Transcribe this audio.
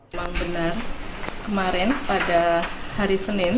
memang benar kemarin pada hari senin